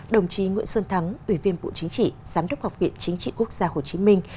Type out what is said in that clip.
đồng chí nguyễn xuân thắng ủy viên bộ chính trị giám đốc học viện chính trị quốc gia hồ chí minh